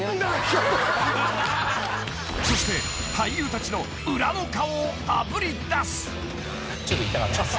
［そして俳優たちの裏の顔をあぶり出す］